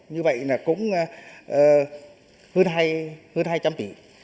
như vậy cũng hơn hai trăm linh tỷ